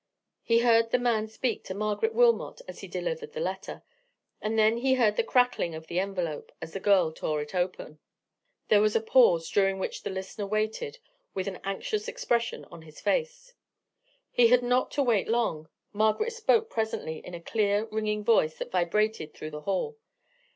He heard the man speak to Margaret Wilmot as he delivered the letter; and then he heard the crackling of the envelope, as the girl tore it open. There was a pause, during which the listener waited, with an anxious expression on his face. He had not to wait long. Margaret spoke presently, in a clear ringing voice, that vibrated through the hall.